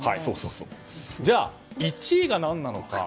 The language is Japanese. じゃあ、１位が何なのか。